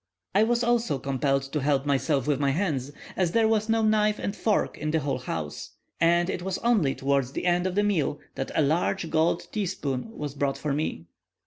I was also compelled to help myself with my hands, as there was no knife and fork in the whole house, and it was only towards the end of the meal that a large gold teaspoon was brought for me.